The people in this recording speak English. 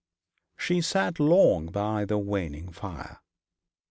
She sat long by the waning fire.